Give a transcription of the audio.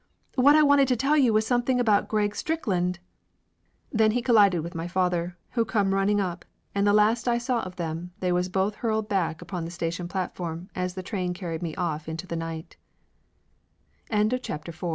What I wanted to tell you was something about Greg Strick land!" Then he collided with my father, who come running up, and the last I saw of them they was both hurled back upon the station platform as the train carried me off int